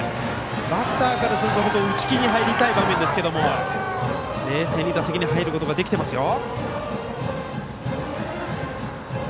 バッターからすると打ち気に入りたい場面ですけど冷静に打席に入ることができていますよ。